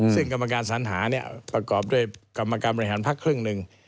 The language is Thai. ซึ่งกรรมการสัญหาเนี่ยประกอบด้วยกรรมการบริหารพักครึ่งหนึ่ง